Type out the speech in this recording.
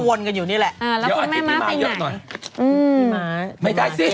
ก็วนกันอยู่นี่แหละอ่าแล้วคุณแม่ม้าไปไหนอืมไม่ได้สิ